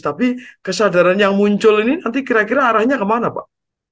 tapi kesadaran yang muncul ini nanti kira kira arahnya kemana pak